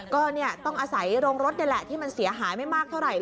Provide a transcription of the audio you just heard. ก็ต้องอาศัยโรงรถนี่แหละที่มันเสียหายไม่มากเท่าไหร่